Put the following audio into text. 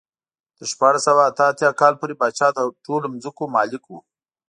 تر شپاړس سوه اته اتیا کال پورې پاچا د ټولو ځمکو مالک و.